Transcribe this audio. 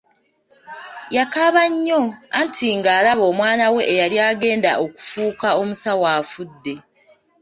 Yakaaba nnyo anti nga alaba omwana we eyali agenda okufuuka omusawo afudde.